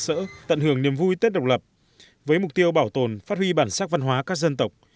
sở tận hưởng niềm vui tết độc lập với mục tiêu bảo tồn phát huy bản sắc văn hóa các dân tộc